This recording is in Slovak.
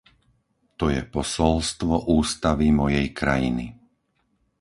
To je posolstvo ústavy mojej krajiny.